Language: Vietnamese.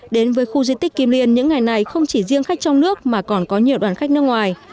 đến với khu di tích kim liên những ngày này không chỉ riêng khách trong nước mà còn có nhiều đoàn khách nước ngoài